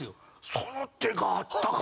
その手があったか！